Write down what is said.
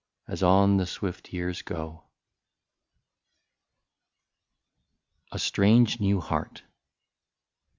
As on the swift years go ? 55 A STRANGE NEW HEART.